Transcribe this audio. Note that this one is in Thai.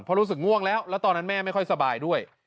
เพราะรู้สึกง่วงแล้วแล้วตอนนั้นแม่ไม่ค่อยสบายด้วย